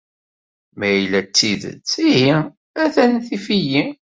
Ma yella d tidet, ihi attan tif-iyi.